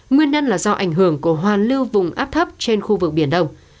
nguyên nhân là do ảnh hưởng của hoàn lưu vùng áp thấp trên khu vực biển đông